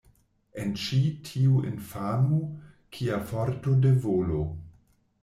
En ĉi tiu infano, kia forto de volo!